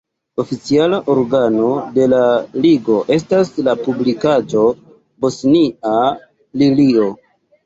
Oficiala organo de la Ligo estas la publikaĵo "Bosnia Lilio".